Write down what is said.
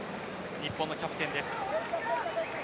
日本のキャプテンです。